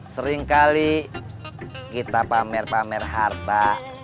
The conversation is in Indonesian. seringkali kita pamer pamer harta